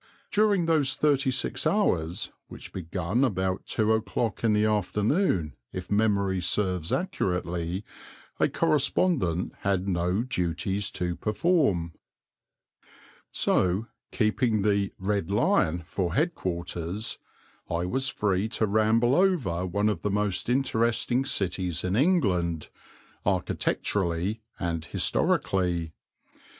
During those thirty six hours, which begun about two o'clock in the afternoon, if memory serves accurately, a correspondent had no duties to perform. So, keeping the "Red Lion" for head quarters, I was free to ramble over one of the most interesting cities in England, architecturally and historically.